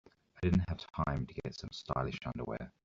I didn't have time to get some stylish underwear.